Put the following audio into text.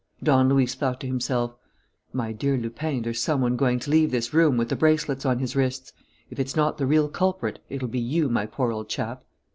Don Luis thought to himself: "My dear Lupin, there's some one going to leave this room with the bracelets on his wrists. If it's not the real culprit, it'll be you, my poor old chap."